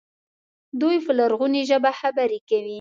دوی په لرغونې ژبه خبرې کوي.